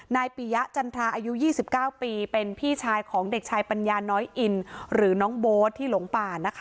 ปียะจันทราอายุ๒๙ปีเป็นพี่ชายของเด็กชายปัญญาน้อยอินหรือน้องโบ๊ทที่หลงป่านะคะ